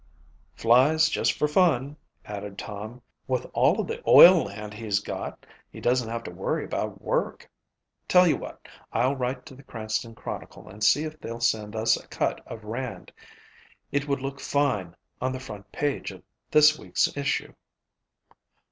"Flies just for fun," added Tom. "With all of the oil land he's got he doesn't have to worry about work. Tell you what, I'll write to the Cranston Chronicle and see if they'll send us a cut of Rand. It would look fine on the front page of this week's issue."